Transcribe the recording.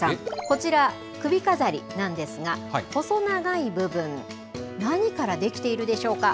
こちら、首飾りなんですが、細長い部分、何から出来ているでしょうか？